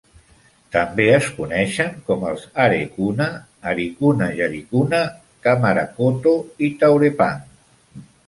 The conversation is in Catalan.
També es coneixen com els arecuna, aricuna jaricuna, kamarakoto i taurepang.